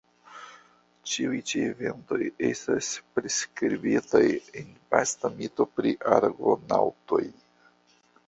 Ĉiuj ĉi eventoj estas priskribitaj en vasta mito pri Argonaŭtoj.